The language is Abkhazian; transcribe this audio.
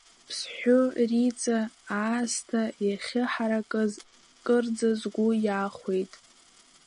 Ԥсҳәы, Рица аасҭа иахьыҳаракыз кырӡа сгәы иахәеит.